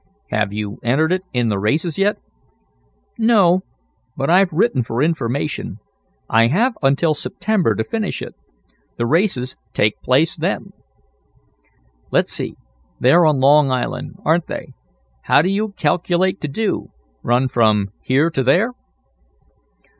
"Have you entered it in the races yet?" "No, but I've written for information. I have until September to finish it. The races take place then." "Let's see; they're on Long Island; aren't they? How do you calculate to do; run from here to there?"